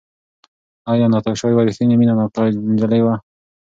ایا ناتاشا یوه ریښتینې مینه ناکه نجلۍ وه؟